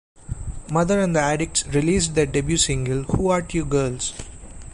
Mother and the Addicts released their debut single Who Art You Girls?